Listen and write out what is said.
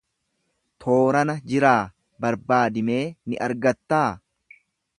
Toorana jiraa barbaadi mee ni argattaa.